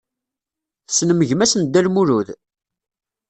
Tessnem gma-s n Dda Lmulud?